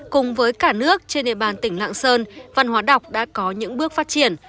cùng với cả nước trên địa bàn tỉnh lạng sơn văn hóa đọc đã có những bước phát triển